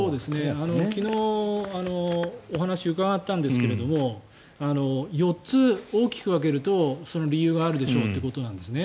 昨日お話を伺ったんですけれども４つ、大きく分けると理由があるでしょうということなんですね。